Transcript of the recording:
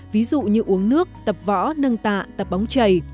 ví dụ như uống nước tập võ nâng tạ tập bóng chảy